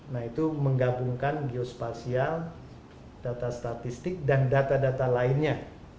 nah itu menggabungkan geospasial data statistik dan data data lainnya